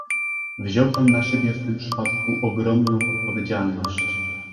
Wziął pan na siebie w tym przypadku ogromną odpowiedzialność